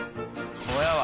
親は？